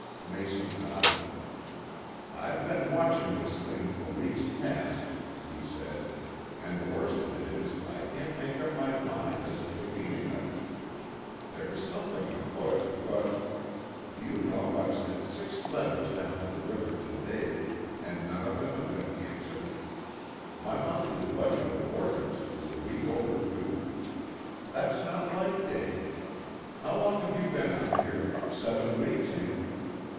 Mason nodded. "I've been watching this thing for weeks past," he said, "and the worst of it is I can't make up my mind as to the meaning of it. There's something afoot, but Do you know I've sent six letters down the river to Dave, and none of them have been answered? My monthly budget of orders is a week overdue. That's not like Dave. How long have you been up here? Seven weeks, ain't it?